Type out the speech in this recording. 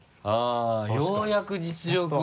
ようやく実力を。